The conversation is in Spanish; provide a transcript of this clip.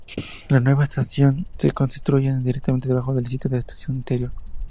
La nueva estación se construye directamente debajo del sitio de la estación anterior.